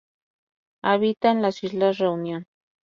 Habita en las islas Reunion.